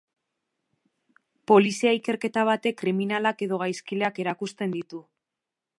Polizia ikerketa batek kriminalak edo gaizkileak erakusten ditu.